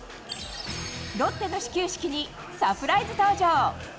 ロッテの始球式にサプライズ登場。